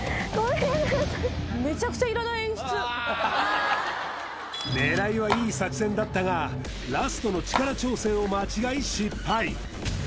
めちゃくちゃ狙いはいい作戦だったがラストの力調整を間違い失敗